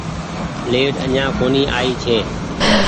ليٽ اڃآن ڪونيٚ آئي ڇي